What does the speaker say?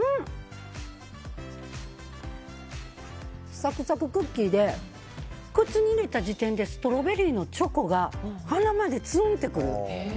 サクサククッキーで口に入れた時点でストロベリーのチョコが鼻までツンってくる。